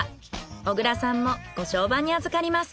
小倉さんもご相伴に預かります。